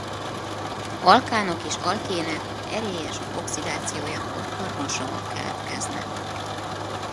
Alkánok és alkének erélyes oxidációjakor karbonsavak keletkeznek.